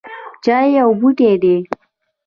چای یو بوټی دی